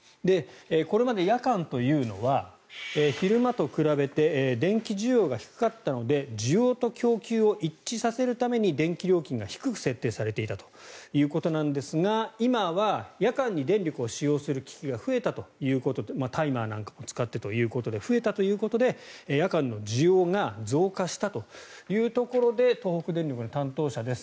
これまで夜間というのは昼間と比べて電気需要が低かったので需要と供給を一致させるために電気料金が低く設定されていたということなんですが今は夜間に電力を使用する機器が増えたということでタイマーなんかも使ってということで増えたということで夜間の需要が増加したというところで東北電力の担当者です。